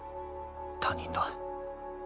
他人だ。